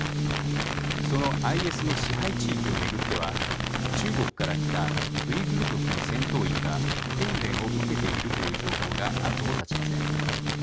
そのＩＳの支配地域を巡っては中国から来たウイグル族の戦闘員が訓練を受けているという情報が後を絶ちません。